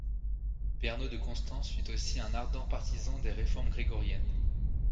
Bernold de Constance fut aussi un ardent partisan des réformes grégoriennes.